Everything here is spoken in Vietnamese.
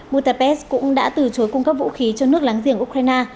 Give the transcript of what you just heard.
moutapest cũng đã từ chối cung cấp vũ khí cho nước láng giềng ukraine